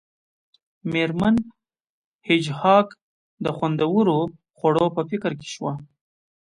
میرمن هیج هاګ د خوندورو خوړو په فکر کې شوه